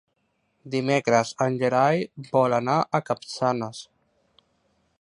Dimecres en Gerai vol anar a Capçanes.